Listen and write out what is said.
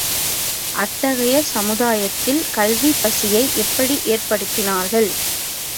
அத்தகைய சமுதாயத்தில் கல்விப் பசியை எப்படி ஏற்படுத்தினார்கள்?